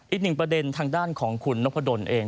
อีกหนึ่งประเด็นทางด้านของคุณนพดลเอง